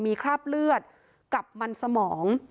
มีคราบเลือดกับมันสมอง